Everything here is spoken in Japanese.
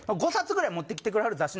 ５冊ぐらい持ってきてくれはる